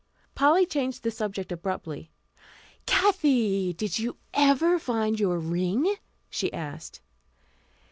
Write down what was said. Polly changed the subject abruptly. "Kathy, did you ever find your ring?" she asked.